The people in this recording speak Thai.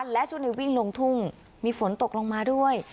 และช่วงนี้วิ่งลงทุ่งมีฝนตกลงมาด้วย